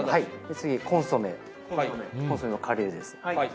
次コンソメコンソメも顆粒です。